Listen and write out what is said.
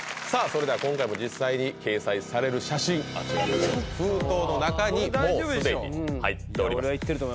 それでは今回も実際に掲載される写真あちらの封筒の中にもう既に入っております